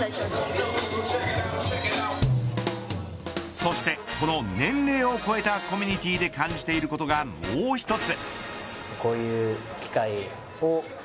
そしてこの年齢を超えたコミュニティーで感じでいることがもう１つ。